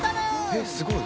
えすごい。